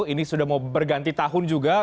ini sudah mau berganti tahun juga